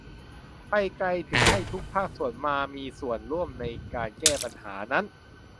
ไปไกลถึงให้ทุกภาคส่วนมามีส่วนร่วมในการแก้ปัญหานั้น